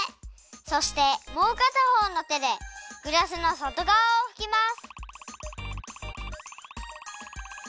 そしてもうかたほうの手でグラスの外がわをふきます。